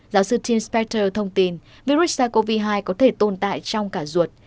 giáo sư tim spector thông tin virus sars cov hai có thể tồn tại trong cả ruột